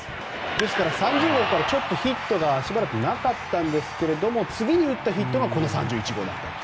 ですから３０号からちょっとヒットがしばらくなかったんですが次に打ったヒットがこの３１号だったと。